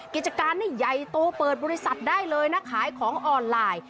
กิจการนี่ใหญ่โตเปิดบริษัทได้เลยนะขายของออนไลน์